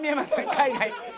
海外。